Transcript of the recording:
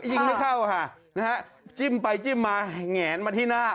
ยิงไม่เข้าค่ะนะฮะจิ้มไปจิ้มมาแหงมาที่หน้า